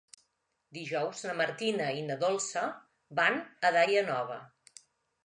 Dijous na Martina i na Dolça van a Daia Nova.